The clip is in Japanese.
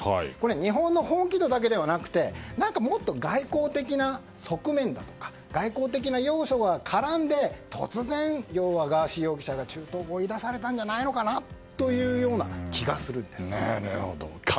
日本の本気度だけじゃなくてもっと外交的な側面なのか外交的な要素が絡んで突然、ガーシー容疑者が中東を追い出されたんじゃないのかなというような気がするんです。